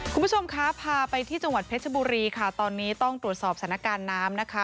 คุณผู้ชมคะพาไปที่จังหวัดเพชรบุรีค่ะตอนนี้ต้องตรวจสอบสถานการณ์น้ำนะคะ